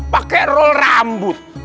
pake roll rambut